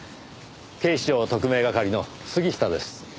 警視庁特命係の杉下です。